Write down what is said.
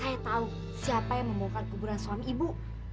hah saya tau siapa yang membongkar kuburan suami ibu